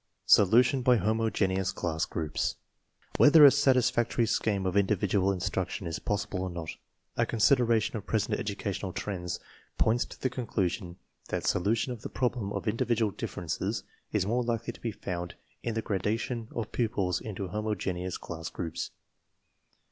SOLUTION BY HOMOGENEOUS CLASS GROUPS Whether a satisfactory scheme of individual in struction is possible or not, a consideration of present educational trends points to the conclusion that solu tion of the problem of individual differences is more likely to be found in the gradation of pupils into homo geneous class groups.